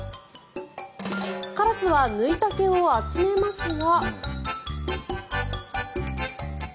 カラスは抜いた毛を集めますが。